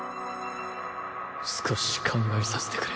少し考えさせてくれ。